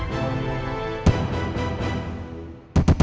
kamu jangan lepas